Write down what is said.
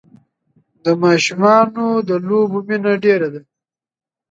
د ماشومان د لوبو مینه ډېره ده.